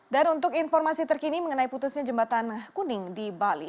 dan untuk informasi terkini mengenai putusnya jembatan kuning di bali